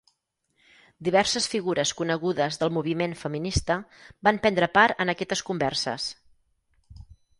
Diverses figures conegudes del moviment feminista van prendre part en aquestes converses.